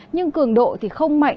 nhưng cường độ không mạnh